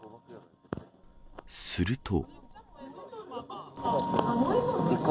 すると。